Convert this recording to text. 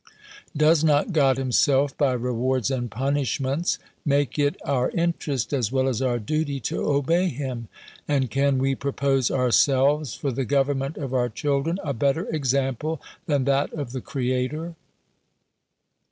Does not God himself, by rewards and punishments, make it our interest, as well as our duty, to obey him? And can we propose ourselves, for the government of our children, a better example than that of the Creator?